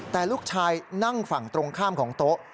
แต่ลูกชายนั่งฝั่งตรงข้ามของโต๊ะ